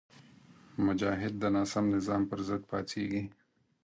مجاهد د ناسم نظام پر ضد پاڅېږي.